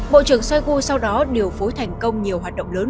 bộ trưởng shoigu sau đó điều phối thành công nhiều hoạt động lớn